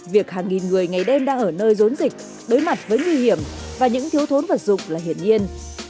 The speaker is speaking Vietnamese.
việc hàng nghìn người ngày đêm đang ở nơi rốn dịch đối mặt với nguy hiểm và những thiếu thốn vật dụng là hiển nhiên